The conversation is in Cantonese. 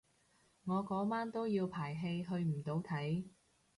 我嗰晚都要排戲去唔到睇